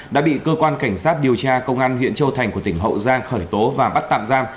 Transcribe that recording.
đã bị cơ quan cảnh sát điều tra công an huyện châu thành của tỉnh hậu giang khởi tố và bắt tạm giam